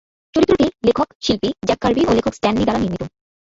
চরিত্রটি লেখক/শিল্পী Jack Kirby ও লেখক স্ট্যান লি দ্বারা নির্মিত।